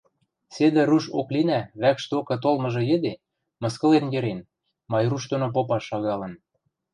Седӹ руш Оклина вӓкш докы толмыжы йӹде, мыскылен йӹрен, Майруш доно попаш шагалын.